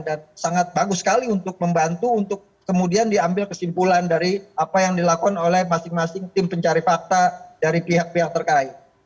dan sangat bagus sekali untuk membantu untuk kemudian diambil kesimpulan dari apa yang dilakukan oleh masing masing tim pencari fakta dari pihak pihak terkait